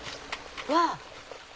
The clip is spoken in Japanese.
わぁ！